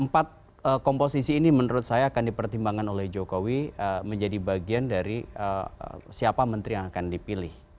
empat komposisi ini menurut saya akan dipertimbangkan oleh jokowi menjadi bagian dari siapa menteri yang akan dipilih